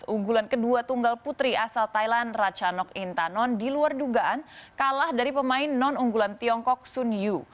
unggulan kedua tunggal putri asal thailand ratchanok intanon di luar dugaan kalah dari pemain non unggulan tiongkok sun yu